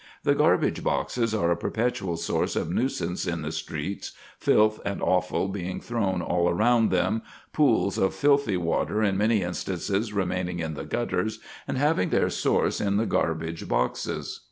The garbage boxes are a perpetual source of nuisance in the streets, filth and offal being thrown all around them, pools of filthy water in many instances remaining in the gutters, and having their source in the garbage boxes."